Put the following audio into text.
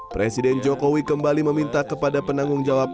presiden jokowi kembali meminta kepada penanggung jawab